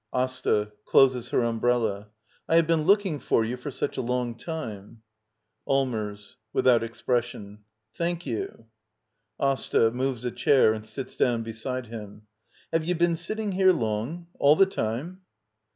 ] ASTA. [Closes her umbrella.] I have been looking for you for such a long time. Allmbrs. [Without expression.] Thank you. AsTA. [Moves a chair and sits down beside him.] Have you been sitting here long? All the time?